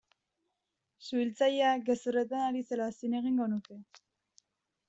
Suhiltzailea gezurretan ari zela zin egingo nuke.